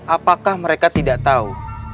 apakah mereka tidak tahu